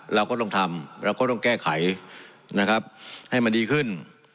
เราก็ต้องทำเราก็ต้องแก้ไขนะครับให้มันดีขึ้น